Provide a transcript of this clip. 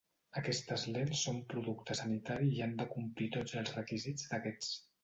Aquestes lents són producte sanitari i han de complir tots els requisits d'aquests.